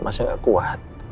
kita bisa berdua